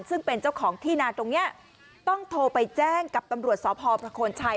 ซึ่งเป็นเจ้าของที่นาตรงนี้ต้องโทรไปแจ้งกับตำรวจสพประโคนชัย